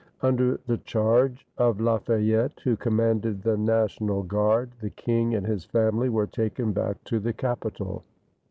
Under the charge of Lafayette, who commanded the National Guard, the king and his family were taken back to the capital.